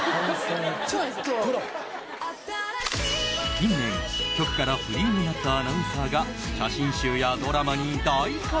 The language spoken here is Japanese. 近年局からフリーになったアナウンサーが写真集やドラマに大活躍。